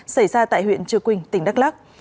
xảy ra tại huyện trưa quỳnh tỉnh đắk lắc